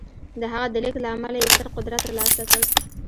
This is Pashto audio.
د هغه د لېږد له امله یې ستر قدرت ترلاسه کړ